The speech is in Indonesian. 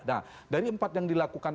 nah dari empat yang dilakukan